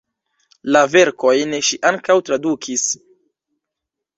La verkojn ŝi ankaŭ tradukis.